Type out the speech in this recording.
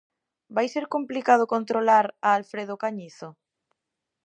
Vai ser complicado controlar a Alfredo cañizo?